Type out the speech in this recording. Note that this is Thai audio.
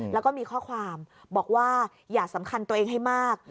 แล้วก็มีข้อความบอกว่าอย่าสำคัญตัวเองให้มาก